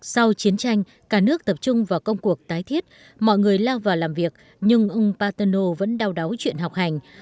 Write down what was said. sau chiến tranh cả nước tập trung vào công cuộc tái thiết mọi người lao vào làm việc nhưng ông paterno vẫn đau đáu chuyện học hành